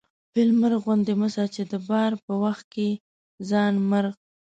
فيل مرغ غوندي مه سه چې د بار په وخت کې ځان مرغ